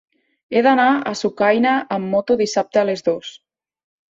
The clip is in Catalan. He d'anar a Sucaina amb moto dissabte a les dues.